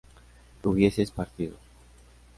¿hubieseis partido?